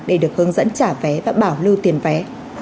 để được hướng dẫn trả vé và bảo lưu tiền vé